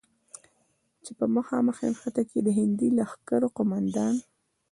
چې په مخامخ نښته کې د هندي لښکرو قوماندان،